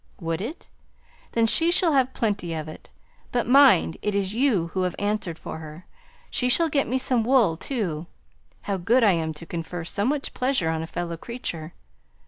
"Would it? Then she shall have plenty of it; but mind, it is you who have answered for her. She shall get me some wool too; how good I am to confer so much pleasure on a fellow creature!